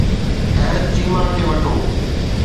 احد چيما کي وٺو.